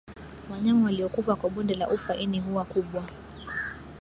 Wanyama waliokufa kwa bonde la ufa ini huwa kubwa